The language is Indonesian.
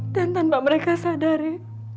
dan tanpa mereka sadari